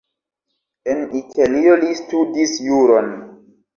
En Italio li studis juron.